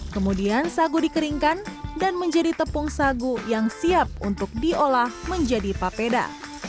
kemudian sagu dikeringkan dan menjadi tepung sagu yang siap untuk diolah menjadi papeda